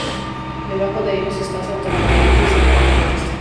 Debajo de ellos están santa Margarita y san Juan Bautista.